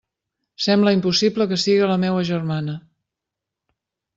Sembla impossible que siga la meua germana!